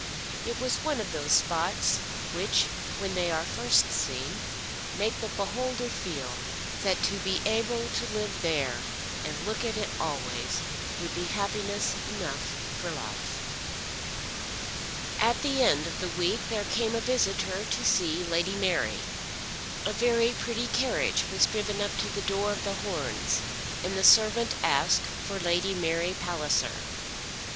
It was one of those spots which when they are first seen make the beholder feel that to be able to live there and look at it always would be happiness enough for life. At the end of the week there came a visitor to see Lady Mary. A very pretty carriage was driven up to the door of The Horns, and the servant asked for Lady Mary Palliser.